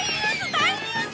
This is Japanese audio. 大ニュース！